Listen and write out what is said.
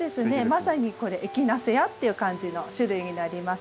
まさにこれエキナセアっていう感じの種類になりますね。